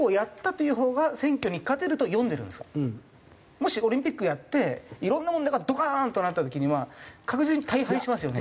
もしオリンピックやっていろんな問題がドカーンとなった時には確実に大敗しますよね。